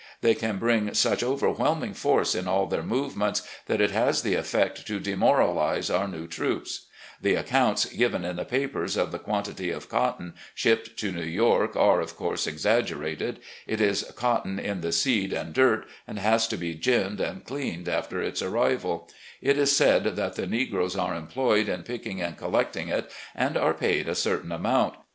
They can bring such overwhelming force in all their movements that it has the effect to demoralise our new troops. The accounts given in the papers of the quantity of cotton shipped to New York are, of course, exaggerated. It is cotton in the seed and dirt, and has to be giimed and cleaned after its arrival. It is said that LETTERS TO WIFE AND DAUGHTERS 65 the negroes are employed in picking and collecting it, and are paid a certain amount.